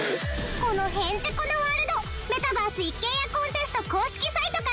このヘンテコなワールド「メタバース一軒家コンテスト」公式サイトからアクセス可能！